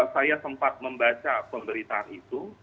saya sempat membaca pemberitaan itu